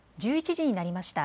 １１時になりました。